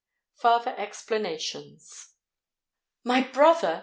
FARTHER EXPLANATIONS. "My brother!"